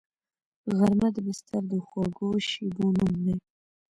غرمه د بستر د خوږو شیبو نوم دی